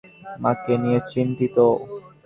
মাকে নিয়ে চিন্তিত।